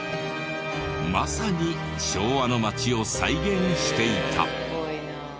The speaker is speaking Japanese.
まさに昭和の町を再現していた。